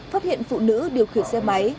phát hiện phụ nữ điều khiển xe máy